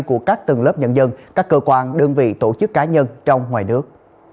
của các tầng lớp nhân dân các cơ quan đơn vị tổ chức cá nhân trong ngoài nước